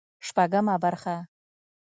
شپږمه برخه